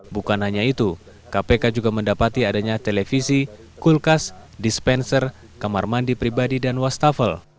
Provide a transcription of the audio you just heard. bukan hanya itu kpk juga mendapati adanya televisi kulkas dispenser kamar mandi pribadi dan wastafel